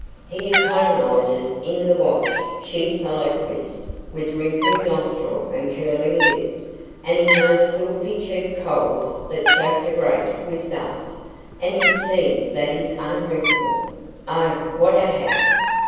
"He economises in the wash," she soliloquised, with wrinkling nostril and curling lip. "And in those filthy cheap coals that choke the grate with dust, and in tea that is undrinkable. Oh, what a house!"